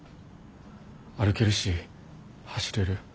歩けるし走れる。